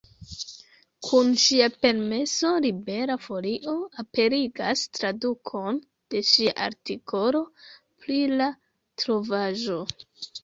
Kun ŝia permeso, Libera Folio aperigas tradukon de ŝia artikolo pri la trovaĵo.